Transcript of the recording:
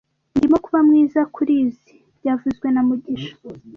Ndimo kuba mwiza kurizoi byavuzwe na mugisha